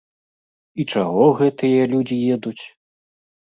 І чаго гэтыя людзі едуць?